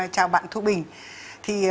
chào bạn thu bình